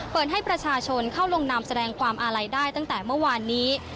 เปิดให้ประชาชนเข้าลงนามแสดงความอาลัยได้ตั้งแต่เมื่อวานนี้